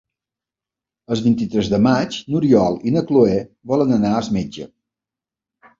El vint-i-tres de maig n'Oriol i na Cloè volen anar al metge.